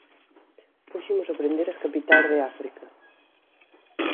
Hoxe imos aprender as capitais de África